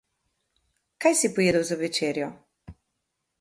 Kaj si pojedel za večerjo?